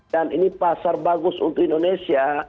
dan ini pasar bagus untuk indonesia